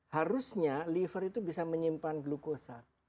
harusnya liver itu bisa menyimpan glukosa